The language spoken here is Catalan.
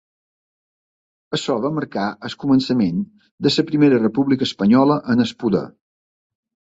Això va marcar el començament de la Primera República Espanyola en el poder.